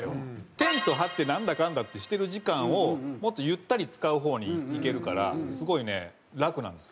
テント張ってなんだかんだってしてる時間をもっとゆったり使う方にいけるからすごいね楽なんです。